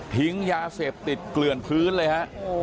ยาเสพติดเกลื่อนพื้นเลยฮะ